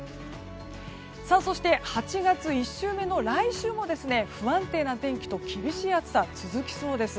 そして８月１週目の来週も不安定な天気と厳しい暑さ続きそうです。